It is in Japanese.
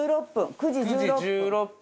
９時１６分。